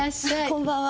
こんばんは。